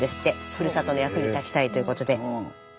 ふるさとの役に立ちたいということで。